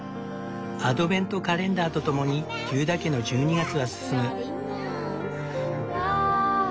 アドベントカレンダーとともにテューダー家の１２月は進む。